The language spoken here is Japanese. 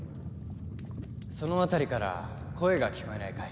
その辺りから声が聞こえないかい？